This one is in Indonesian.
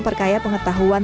pertanyaan dari penulis